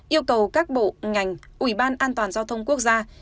yêu cầu các bộ ngành ủy ban an toàn giao thông quốc gia